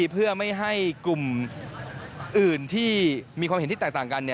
เพื่อไม่ให้กลุ่มอื่นที่มีความเห็นที่แตกต่างกัน